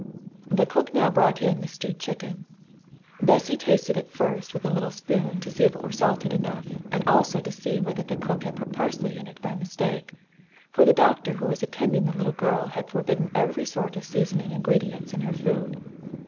The cook now brought in the stewed chicken. Bessy tasted it first with a little spoon to see if it were salted enough, and also to see whether the cook had put parsley in it by mistake, for the doctor who was attending the little girl had forbidden every sort of seasoning ingredients in her food.